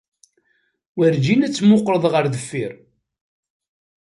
Werjin ad temmuqqleḍ ɣer deffir.